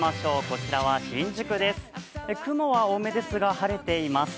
こちらは新宿です。